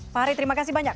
pak hari terima kasih banyak